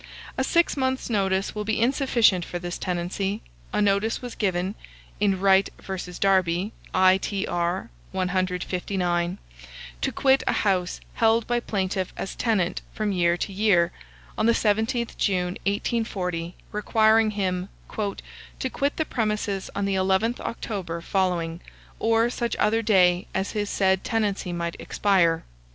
A six months' notice will be insufficient for this tenancy. A notice was given (in Right v. Darby, I.T.R. 159) to quit a house held by plaintiff as tenant from year to year, on the 17th June, 1840, requiring him "to quit the premises on the 11th October following, or such other day as his said tenancy might expire."